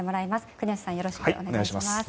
国吉さんよろしくお願いします。